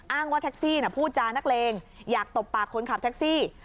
ว่าแท็กซี่พูดจานักเลงอยากตบปากคนขับแท็กซี่